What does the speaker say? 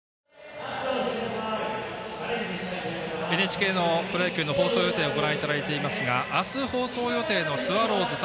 ＮＨＫのプロ野球の放送予定をご覧いただいていますが明日放送予定のスワローズ対